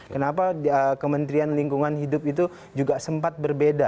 kenapa kementerian lingkungan hidup itu juga sempat berbeda